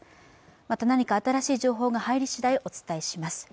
また、何か新しい情報が入りしだい、お伝えします。